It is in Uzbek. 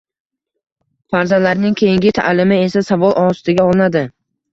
farzandlarining keyingi ta’limi esa savol ostiga olinadi.